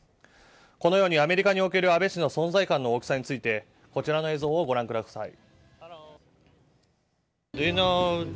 このようにアメリカにおける安倍氏の存在感の大きさについてこちらの映像をご覧ください。